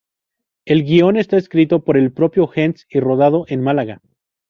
El guion está escrito por el propio Hens y rodado en Málaga.